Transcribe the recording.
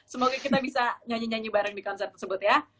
semoga kita bisa nyanyi nyanyi bareng di konser tersebut ya